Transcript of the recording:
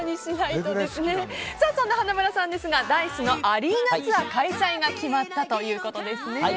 そんな花村さんですがＤａ‐ｉＣＥのアリーナツアー開催が決まったということですね。